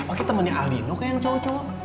aku temennya aldino kayak yang cowok cowok